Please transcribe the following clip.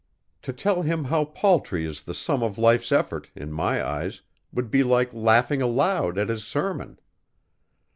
To tell him how paltry is the sum of his life's effort, in my eyes, would be like laughing aloud at his sermon."